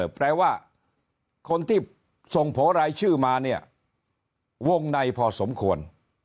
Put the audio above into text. แปลว่าคนที่ส่งโผล่รายชื่อมาเนี่ยวงในพอสมควร